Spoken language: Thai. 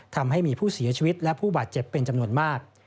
ทำให้มีผู้เสียชีวิตและผู้บาดเจ็บเป็นจำนวนมาก